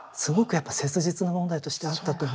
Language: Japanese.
やっぱり切実な問題としてあったと思うんです。